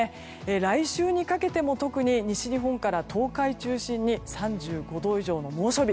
来週にかけても特に西日本から東海中心に３５度以上の猛暑日。